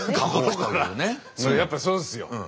やっぱそうですよ。